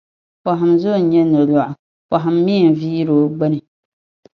Pɔhim zo nyɛ nolɔɣu, pɔhim mi n-viiri o gbinni.